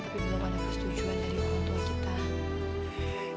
tapi belum ada persetujuan dari orang tua kita